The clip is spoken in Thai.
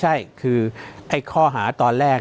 ไอใครหาตอนแรก